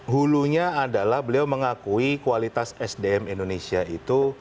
hulunya adalah beliau mengakui kualitas sdm indonesia itu